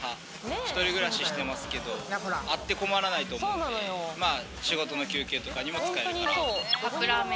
１人暮らししてますけど、あって困らないと思うんで、仕事の休憩とかにも使えるから。